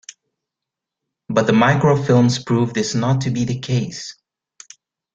But the microfilms prove this not to be the case.